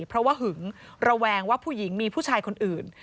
เพราะว่าหึงระแวงว่าผู้หญิงมีผู้ชายคนอื่น